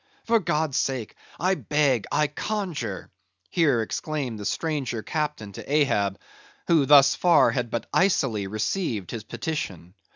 For God's sake—I beg, I conjure"—here exclaimed the stranger Captain to Ahab, who thus far had but icily received his petition.